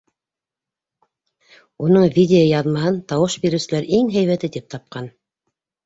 Уның видеояҙмаһын тауыш биреүселәр иң һәйбәте тип тапҡан.